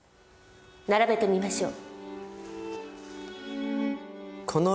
並べてみましょう。